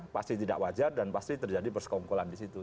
pasti tidak wajar dan pasti terjadi persekongkolan di situ